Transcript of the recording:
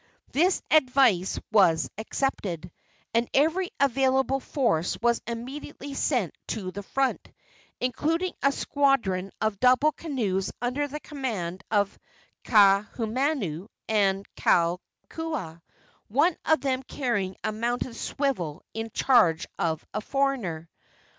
This advice was accepted, and every available force was immediately sent to the front, including a squadron of double canoes under the command of Kaahumanu and Kalakua, one of them carrying a mounted swivel in charge of a foreigner.